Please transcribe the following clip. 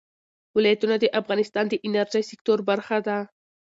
ولایتونه د افغانستان د انرژۍ سکتور برخه ده.